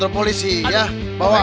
tidak perlu main hakim sendiri bang